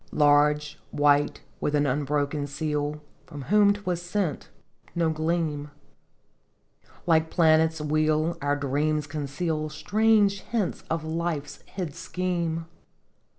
Large, white, with an unbroken seal, From whom 't was sent no gleam. Like planet's wheel our dreams conceal Strange hints of Life's hid scheme.